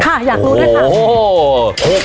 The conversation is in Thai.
ค่ะอยากรู้ได้ครับ